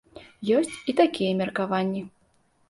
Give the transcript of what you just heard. Ёсць і такія меркаванні.